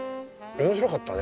面白かったね